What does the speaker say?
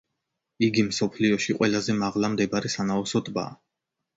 იგი მსოფლიოში ყველაზე მაღლა მდებარე სანაოსნო ტბაა.